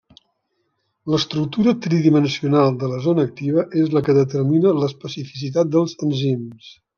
L'estructura tridimensional de la zona activa és la que determina l'especificitat dels enzims.